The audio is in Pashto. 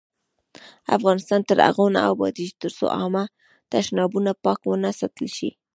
افغانستان تر هغو نه ابادیږي، ترڅو عامه تشنابونه پاک ونه ساتل شي.